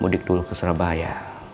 mudik dulu ke surabaya